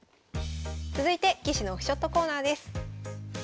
続いて棋士のオフショットコーナーです。